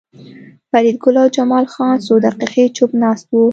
فریدګل او جمال خان څو دقیقې چوپ ناست وو